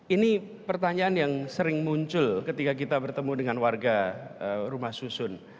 ini pertanyaan yang sering muncul ketika kita bertemu dengan warga rumah susun